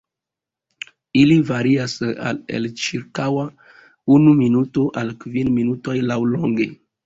Ili varias el ĉirkaŭ unu minuto al kvin minutoj laŭlonge.